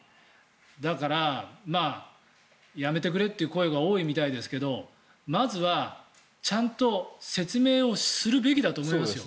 だから、辞めてくれという声が多いみたいですけどまずはちゃんと説明をするべきだと思いますよ。